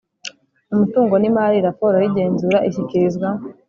umutungo n‘imari Raporo y igenzura ishyikirizwa